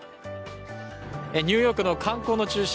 ニューヨークの観光の中心